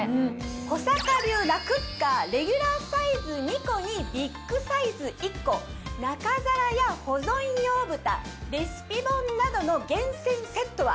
保阪流ラ・クッカーレギュラーサイズ２個にビッグサイズ１個中皿や保存用蓋レシピ本などの厳選セットは。